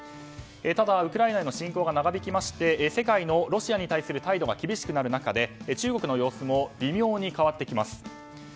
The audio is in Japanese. ただ、ウクライナへの侵攻が長引きまして世界のロシアに対する態度が厳しくなる中で中国の様子も微妙に変わってきます。